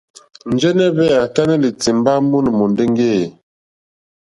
Njɛ̀nɛ̀ hvɛ a tanɛ̀i lì timba mono mondeŋge e.